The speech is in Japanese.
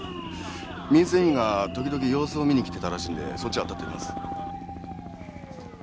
民生委員が時々様子を見にきてたらしいんでそっちを当たってみます。